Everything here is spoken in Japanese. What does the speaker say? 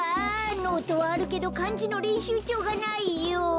ノートはあるけどかんじのれんしゅうちょうがないよ！